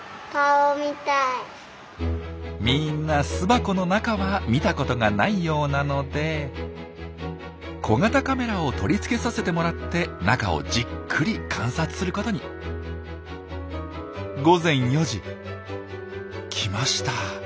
みんな巣箱の中は見たことがないようなので小型カメラを取り付けさせてもらって中をじっくり観察することに。来ました。